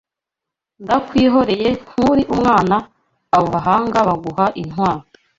Ndakwihoreye nturi Umwana Abo bahanga baguha intwaro